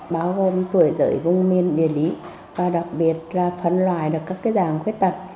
bao gồm tuổi giới vùng miền địa lý và đặc biệt là phần loài được các dạng khuyết tật